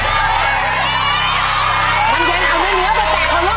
เร็วเร็วเร็วเร็ว